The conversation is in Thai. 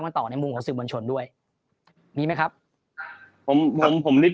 มันต่อในมุมของศึกบลชนด้วยมีไหมครับผมผมผมนิด